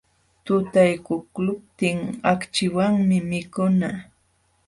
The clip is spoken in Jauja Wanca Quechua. Tutaykuqluptin akchiwanmi mikuna.